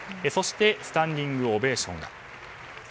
そしてスタンディングオベーションが。